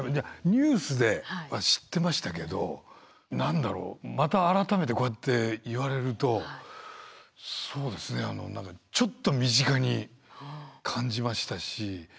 ニュースでは知ってましたけど何だろうまた改めてこうやって言われるとそうですね何かちょっと身近に感じましたし。